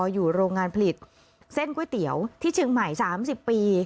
อยู่โรงงานผลิตเส้นก๋วยเตี๋ยวที่เชียงใหม่๓๐ปี